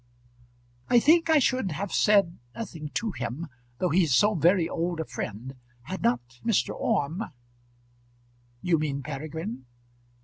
"I think I should have said nothing to him, though he is so very old a friend, had not Mr. Orme " "You mean Peregrine?"